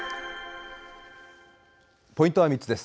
ポイントは３つです。